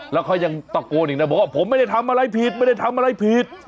แล้วเขายังตะโกนอีกนะบอกว่าผมไม่ได้ทำอะไรผิดไม่ได้ทำอะไรผิด